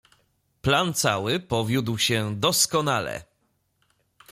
"Plan cały powiódł się doskonale."